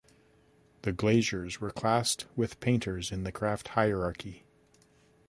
The glaziers were classed with painters in the craft hierarchy.